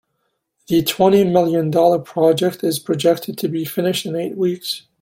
The twenty million dollar project is projected to be finished in eight weeks.